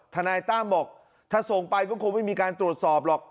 ทนายตั้มบอกถ้าส่งไปก็คงไม่มีการตรวจสอบหรอก